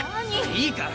いいから！